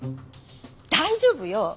大丈夫よ！